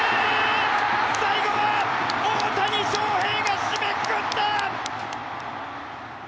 最後は大谷翔平が締めくくった！